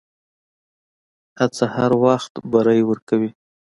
هڅه هر وخت بری ورکوي.